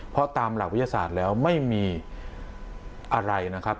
เพราะตามหลักวิทยาศาสตร์แล้วไม่มีอะไรนะครับ